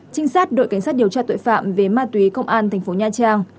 trinh sát đội cảnh sát điều tra tội phạm về ma túy công an thành phố nha trang